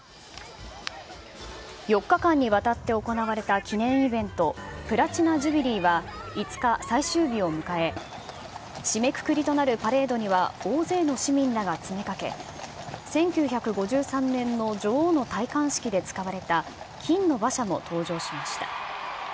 ４日間にわたって行われた記念イベント、プラチナ・ジュビリーは５日最終日を迎え、締めくくりとなるパレードには大勢の市民らが詰めかけ、１９５３年の女王の戴冠式で使われた金の馬車も登場しました。